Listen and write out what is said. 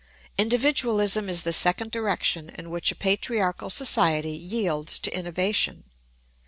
Individualism is the second direction in which a patriarchal society yields to innovation.